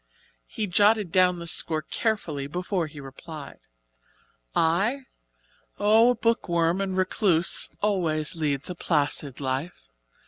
He jotted down the score carefully before he replied. "I? Oh, a book worm and recluse always leads a placid life.